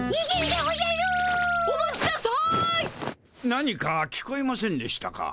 何か聞こえませんでしたか？